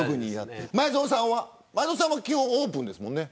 前園さんは基本オープンですもんね。